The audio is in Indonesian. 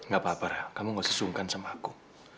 gak apa apa ra kamu gak usah sungkan sama aku